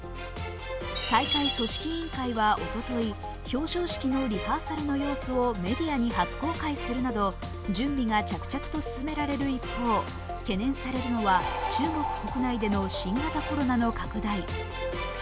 大会組織委員会はおととい表彰式のリハーサルの様子をメディアに初公開するなど準備が着々と進められる一方、懸念されるのは中国国内での新型コロナの拡大。